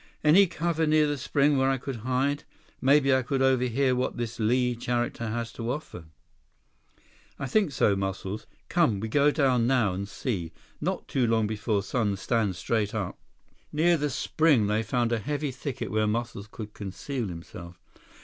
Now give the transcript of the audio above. "Any cover near the spring where I could hide? Maybe I could overhear what this Li character has to offer." "I think so, Muscles. Come, we go down now and see. Not too long before sun stand straight up." Near the spring, they found a heavy thicket where Muscles could conceal himself.